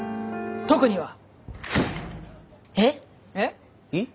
特には。えっ？えっ？えっ？